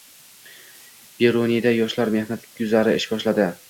Beruniyda Yoshlar mehnat guzari ish boshladi